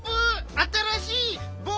あたらしいぼうし？